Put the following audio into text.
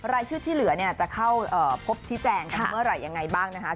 รายชื่อที่เหลือเนี่ยจะเข้าพบชี้แจงกันเมื่อไหร่ยังไงบ้างนะคะ